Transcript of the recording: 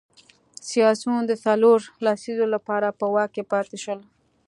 سیاسیون د څلورو لسیزو لپاره په واک کې پاتې شول.